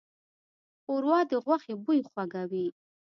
ښوروا د غوښې بوی خوږوي.